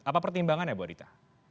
apa pertimbangannya bu adita